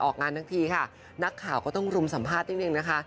งานทั้งทีค่ะนักข่าวก็ต้องรุมสัมภาษณ์นิดนึงนะคะ